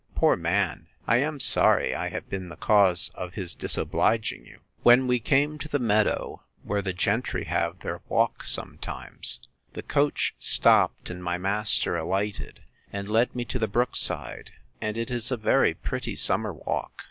Poor man! I am sorry I have been the cause of his disobliging you. When we came to the meadow, where the gentry have their walk sometimes, the coach stopt, and my master alighted, and led me to the brook side, and it is a very pretty summer walk.